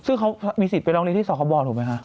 ซึ่งเขามีสิทธิ์ไปร้องเรียนที่สคบถูกไหมคะ